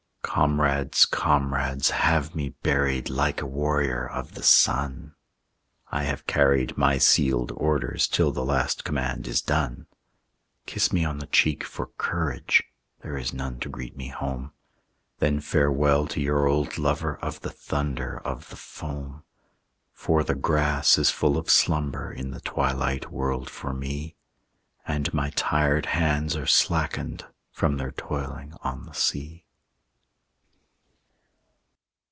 Comrades, comrades, have me buried Like a warrior of the sun; I have carried my sealed orders Till the last command is done. Kiss me on the cheek for courage, (There is none to greet me home,) Then farewell to your old lover Of the thunder of the foam; For the grass is full of slumber In the twilight world for me, And my tired hands are slackened From their toiling on the sea.